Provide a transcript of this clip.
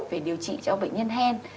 về điều trị cho bệnh nhân hen